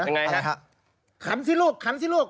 ขันสิลูก